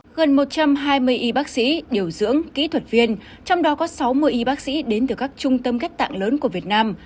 gần một trăm hai mươi y bác sĩ điều dưỡng kỹ thuật viên trong đó có sáu mươi y bác sĩ đến từ các trung tâm ghép tạng lớn của việt nam